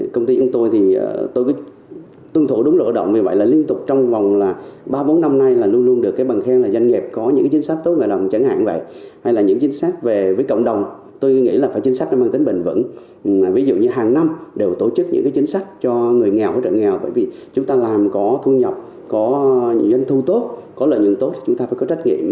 có lợi nhuận tốt thì chúng ta phải có trách nhiệm